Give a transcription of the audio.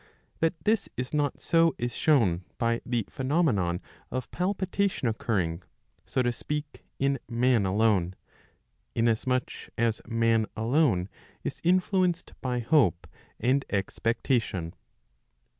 That this is not so is shown by the phenomenon of palpitation occurring, so to speak, in man alone ; inasmuch as man alone is influenced by hope and expectation.'